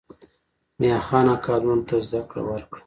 میاخان اکا لوڼو ته زده کړه ورکړه.